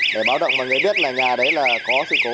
để báo động mà người biết là nhà đấy có dự cố